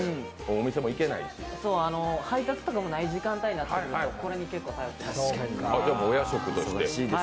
配達とかもない時間帯になってくると結構これに頼ってます。